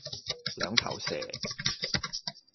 兩頭蛇